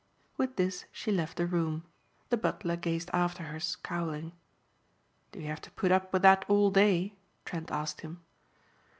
With this she left the room. The butler gazed after her scowling. "Do you have to put up with that all day?" Trent asked him.